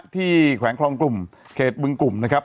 แขวงคลองกลุ่มเขตบึงกลุ่มนะครับ